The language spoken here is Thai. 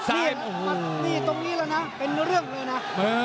นี่มานี่ตรงนี้แล้วนะเป็นเรื่องเลยนะ